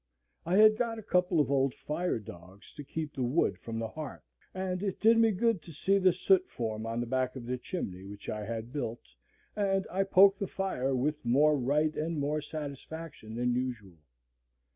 I had got a couple of old fire dogs to keep the wood from the hearth, and it did me good to see the soot form on the back of the chimney which I had built, and I poked the fire with more right and more satisfaction than usual.